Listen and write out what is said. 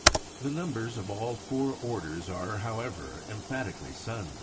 The members of all four orders are, however, emphatically suns.